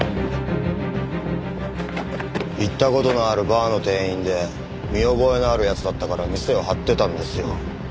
行った事のあるバーの店員で見覚えのある奴だったから店を張ってたんですよ。